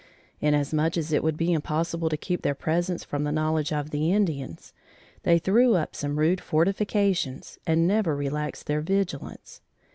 Inasmuch as it would be impossible to keep their presence from the knowledge of the Indians, they threw up some rude fortifications and never relaxed their vigilance.